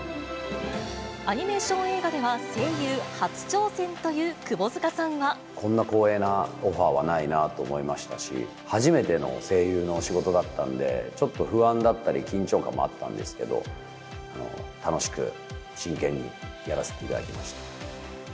アニメーション映画では、こんな光栄なオファーはないなと思いましたし、初めての声優の仕事だったんで、ちょっと不安だったり緊張感もあったんですけど、楽しく真剣にやらせていただきました。